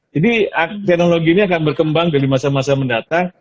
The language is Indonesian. jadi teknologi ini akan berkembang dari masa masa mendatang